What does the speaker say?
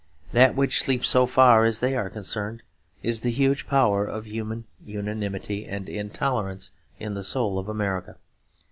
That which sleeps, so far as they are concerned, is the huge power of human unanimity and intolerance in the soul of America.